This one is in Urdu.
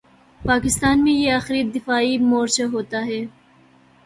پاکستان میں یہ آخری دفاعی مورچہ ہوتا ہے۔